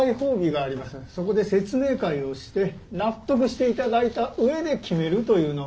そこで説明会をして納得していただいた上で決めるというのは。